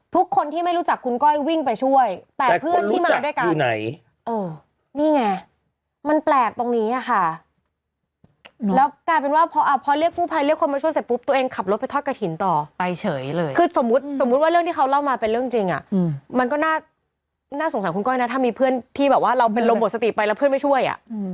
ทุกคนที่ไม่รู้จักคุณก้อยวิ่งไปช่วยแต่เพื่อนที่มาด้วยกันนี่ไงมันแปลกตรงนี้อะค่ะแล้วกลายเป็นว่าพอเรียกกู้ภัยเรียกคนมาช่วยเสร็จปุ๊บตัวเองขับรถไปทอดกระถิ่นต่อไปเฉยเลยคือสมมุติสมมุติว่าเรื่องที่เขาเล่ามาเป็นเรื่องจริงอ่ะมันก็น่าสงสัยคุณก้อยนะถ้ามีเพื่อนที่แบบว่าเราเป็นลมหมดสติไปแล้วเพื่อนไม่ช่วยอ่ะ